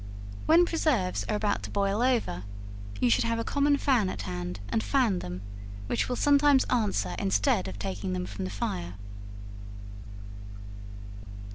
When preserves are about to boil over, you should have a common fan at hand and fan them, which will sometimes answer instead of taking them from the fire.